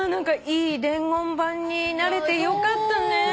いい伝言板になれてよかったね。